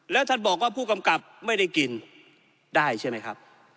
แล้วท่านบอกว่าผู้กำกับไม่ได้กินได้ใช่ไหมครับ